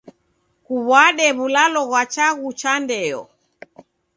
Kuw'ade w'ulalo ghwa chaghu cha ndeyo.